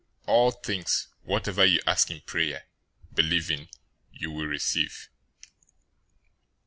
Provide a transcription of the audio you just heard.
021:022 All things, whatever you ask in prayer, believing, you will receive."